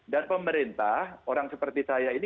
dan pemerintah orang seperti saya ini